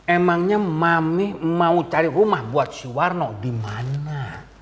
emangnya mami mau cari rumah buat si warno dimana